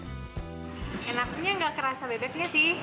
enaknya nggak kerasa bebeknya sih